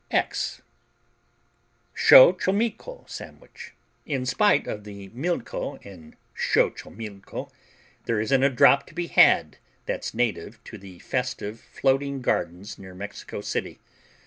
X Xochomilco Sandwich In spite of the "milco" in Xochomilco, there isn't a drop to be had that's native to the festive, floating gardens near Mexico City.